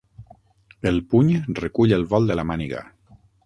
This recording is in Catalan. El puny recull el vol de la màniga.